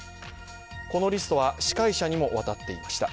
このリストは司会者にも渡っていました。